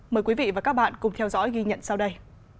mời quý vị và các bạn cùng theo dõi ghi nhận sau đây